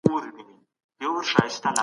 خپلي سیمي بيرته ترلاسه کړي.